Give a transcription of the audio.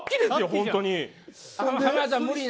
本当に。